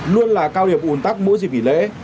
luôn là cao điểm ủn tắc mỗi dịp nghỉ lễ